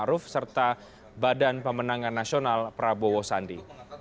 maruf serta badan pemenangan nasional prabowo sandi